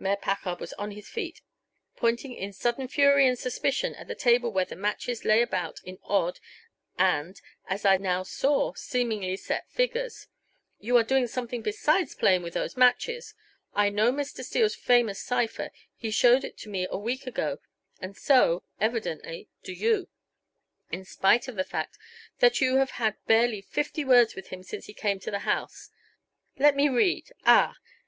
Mayor Packard was on his feet, pointing in sudden fury and suspicion at the table where the matches lay about in odd and, as I now saw, seemingly set figures. "You are doing something besides playing with those matches. I know Mr. Steele's famous cipher; he showed it to me a week ago; and so, evidently, do you, in spite of the fact that you have had barely fifty words with him since he came to the house. Let me read ah!